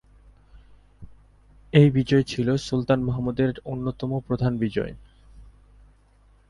এই বিজয় ছিল সুলতান মাহমুদের অন্যতম প্রধান বিজয়।